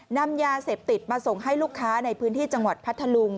นำยาเสพติดมาส่งให้ลูกค้าในพื้นที่จังหวัดพัทธลุง